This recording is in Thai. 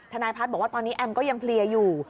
ทนายพัฒน์บอกว่าตอนนี้แอมก็ยังเพลียอยู่